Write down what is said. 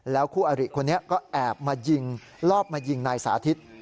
คู่อริคนนี้ก็แอบมายิงรอบมายิงนายสาธิต